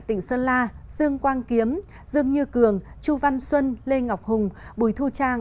tỉnh sơn la dương quang kiếm dương như cường chu văn xuân lê ngọc hùng bùi thu trang